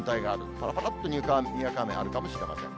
ぱらぱらっとにわか雨あるかもしれません。